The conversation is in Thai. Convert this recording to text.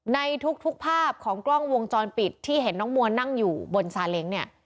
ในทุกภาพของกล้องวงจรปิดที่เห็นน้องมัวนั่งอยู่บนซาเล้งเนี่ย